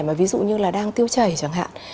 mà ví dụ như là đang tiêu chảy chẳng hạn